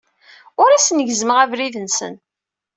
Ur asen-gezzmeɣ abrid-nsen.